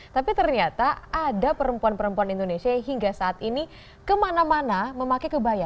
tapi ternyata ada perempuan perempuan indonesia yang hingga saat ini kemana mana memakai kebaya